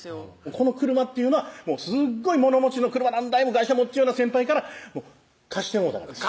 この車っていうのはすっごい物持ちの車何台も外車持っちゅうような先輩から貸してもうたがです